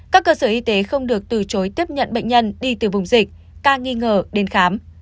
các cơ sở y tế không được từ chối tiếp nhận bệnh nhân đi từ vùng dịch ca nghi ngờ đến khám